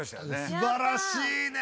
すばらしいね。